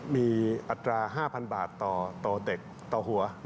มีอัตรา๕๐๐บาทต่อเต็กต่อหัว